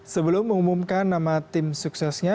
sebelum mengumumkan nama tim suksesnya